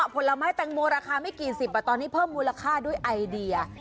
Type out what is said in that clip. ผลไม้แตงโมราคาไม่กี่สิบตอนนี้เพิ่มมูลค่าด้วยไอเดีย